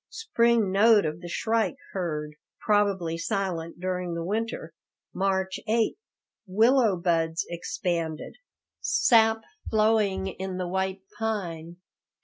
Spring note of the shrike heard, probably silent during the winter. March 8 Willow buds expanded. Sap flowing in the white pine.